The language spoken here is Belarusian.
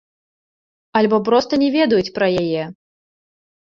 Альбо проста не ведаюць пра яе.